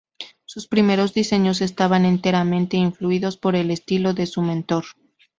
Sus primeros diseños estaban enteramente influidos por el estilo de su mentor.